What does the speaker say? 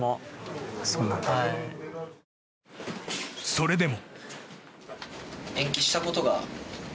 それでも。